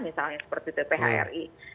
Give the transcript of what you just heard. misalnya seperti itu phri